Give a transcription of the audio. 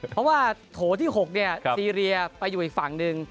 เพราะว่าโถที่๖ซีเรียไปอยู่อีกฝั่งหนึ่ง